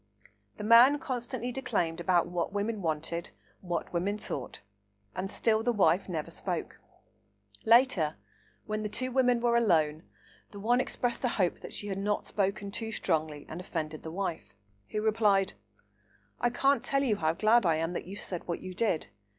The man constantly declaimed about "what women wanted, what women thought," and still the wife never spoke. Later, when the two women were alone, the one expressed a hope that she had not spoken too strongly and offended the wife, who replied, "I can't tell you how glad I am that you said what you did.